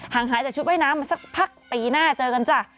งหายจากชุดว่ายน้ำมาสักพักปีหน้าเจอกันจ้ะ